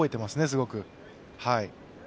すごく。